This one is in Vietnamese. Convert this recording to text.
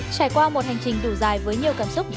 trải qua một hành trình đủ dài với nhiều cảm xúc